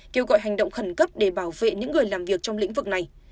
kêu gọi hành động khẩn cấp để bảo vệ những người làm việc trong lĩnh vực này